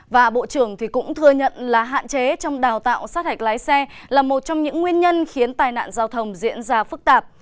và bộ trưởng cũng thừa nhận là hạn chế trong đào tạo sát hạch lái xe là một trong những nguyên nhân khiến tai nạn giao thông diễn ra phức tạp